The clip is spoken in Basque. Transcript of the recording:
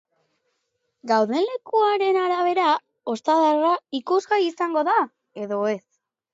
Gauden lekuaren arabera, ostadarra ikusgai izango da edo ez.